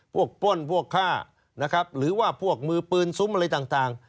พวกปล้นพวกข้าหรือว่าพวกมือปืนซุ้มอะไรต่าง